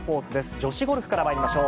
女子ゴルフからまいりましょう。